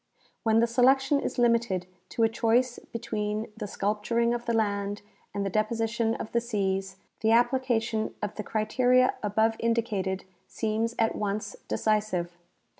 When the selection is limited to a choice between the sculp turing of the land and the deposition of the seas, the application of the criteria above indicated seems at once decisive.